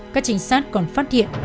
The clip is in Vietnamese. các trình sát còn phát hiện